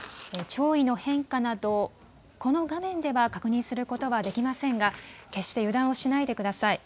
潮位の変化などこの画面では確認することはできませんが決して油断をしないでください。